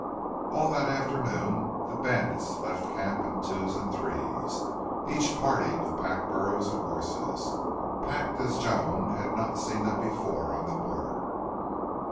All that afternoon the bandits left camp in twos and threes, each party with pack burros and horses, packed as Joan had not seen them before on the border.